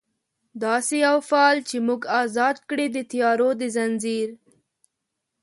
داسي یو فال چې موږ ازاد کړي، د تیارو د ځنځیر